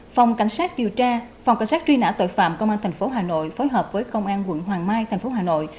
phòng cảnh sát truy nã tội phạm công an thành phố hà nội phối hợp với công an quận hoàng mai thành phố hà nội